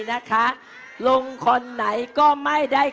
นะคะลงคนไหนก็ไม่ได้